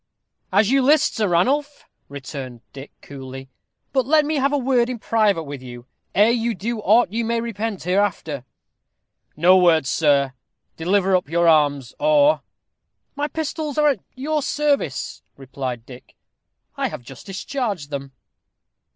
"As you list, Sir Ranulph," returned Dick, coolly; "but let me have a word in private with you ere you do aught you may repent hereafter." "No words, sir deliver up your arms, or " "My pistols are at your service," replied Dick. "I have just discharged them."